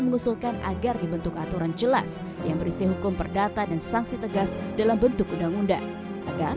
mengusulkan agar dibentuk aturan jelas yang berisi hukum perdata dan sanksi tegas dalam bentuk undang undang agar